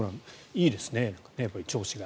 いいですね、調子が。